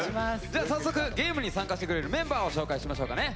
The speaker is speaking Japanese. じゃあ早速ゲームに参加してくれるメンバーを紹介しましょうかね。